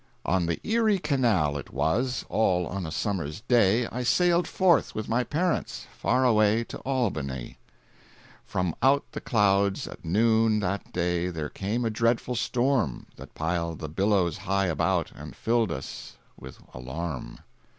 On the Erie Canal, it was, All on a summer's day, I sailed forth with my parents Far away to Albany. From out the clouds at noon that day There came a dreadful storm, That piled the billows high about, And filled us with alarm.